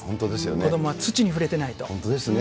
子どもは土に触れてないと、本当ですね。